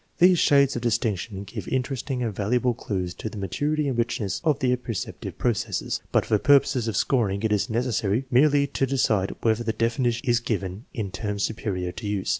These shades of distinction give interesting and valuable clues to the maturity and richness of the ap perceptive processes, but for purposes of scoring it is neces sary merely to decide whether the definition is given in terms superior to use.